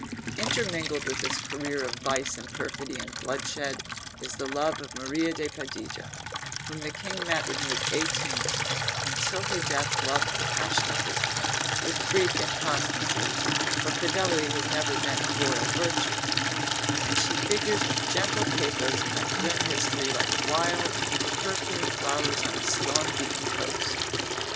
Intermingled with this career of vice and perfidy and bloodshed is the love of Maria de Padilla, whom the king met when he was eighteen, and till her death loved passionately with brief inconstancies, for fidelity has never been a royal virtue; and she figures with gentle pathos in that grim history like wild perfumed flowers on a storm beaten coast.